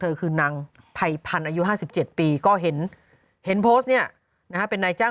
เธอคือนางไพพันอายุ๕๗ปีก็เห็นเห็นโพสต์เนี่ยเป็นนายจ้าง